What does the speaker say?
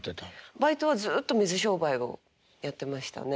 バイトはずっと水商売をやってましたね。